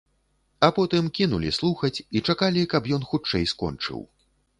А потым кінулі слухаць і чакалі, каб ён хутчэй скончыў.